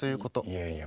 いやいや。